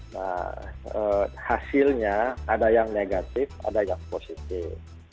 nah hasilnya ada yang negatif ada yang positif